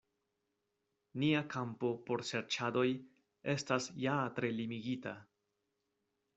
Nia kampo por serĉadoj estas ja tre limigita.